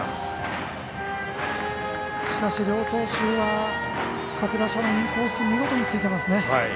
両投手は各打者のインコースを見事についていますね。